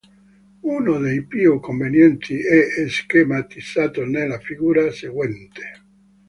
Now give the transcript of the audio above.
Uno dei più convenienti è schematizzato nella figura seguente.